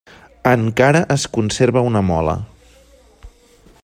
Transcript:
Encara es conserva una mola.